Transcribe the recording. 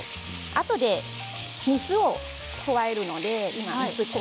あとで水を加えるので。